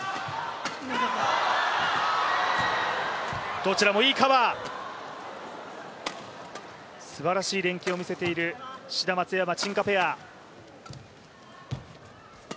どちらもいいカバー、すばらしい連携を見せている志田・松山、陳・賈ペア。